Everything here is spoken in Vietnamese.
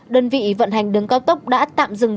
đơn vị vận hành đường cao tốc đã tạm dừng